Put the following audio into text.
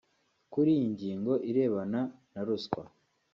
Kuri iyi ngingo irebana na Ruswa